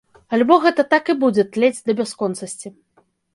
Альбо гэта так і будзе тлець да бясконцасці.